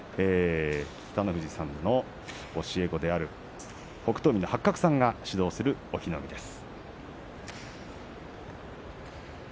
北の富士さんの教え子である北勝海の八角さんが指導する隠岐の海です。